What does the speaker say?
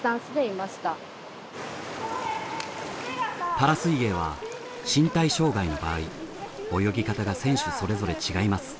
パラ水泳は身体障がいの場合泳ぎ方が選手それぞれ違います。